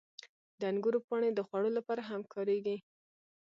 • د انګورو پاڼې د خوړو لپاره هم کارېږي.